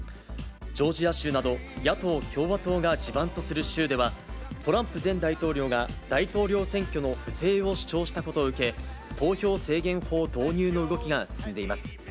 ジョージア州など、野党・共和党が地盤とする州では、トランプ前大統領が大統領選挙の不正を主張したことを受け、投票制限法導入の動きが進んでいます。